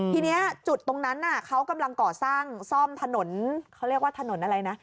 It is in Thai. ทีนี้จุดตรงนั้นเขากำลังก่อสร้างซ่อมถนนเขาเรียกว่าถนนอะไรนะ